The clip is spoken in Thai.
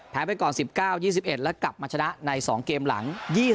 ไปก่อน๑๙๒๑และกลับมาชนะใน๒เกมหลัง